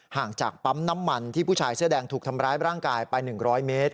ห่างจากปั๊มน้ำมันที่ผู้ชายเสื้อแดงถูกทำร้ายร่างกายไป๑๐๐เมตร